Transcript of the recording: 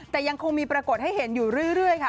แต่ยังคงมีปรากฏให้เห็นอยู่เรื่อยค่ะ